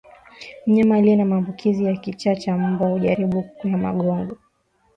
Mnyama aliye na maambukizi ya kichaa cha mbwa hujaribu kukwea magogo